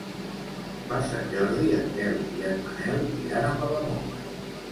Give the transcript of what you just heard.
Per Sant Jordi en Quel i en Manel iran a Palamós.